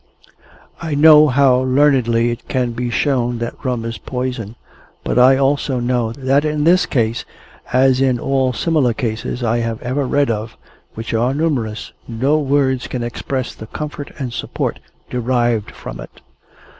I know how learnedly it can be shown that rum is poison, but I also know that in this case, as in all similar cases I have ever read of which are numerous no words can express the comfort and support derived from it.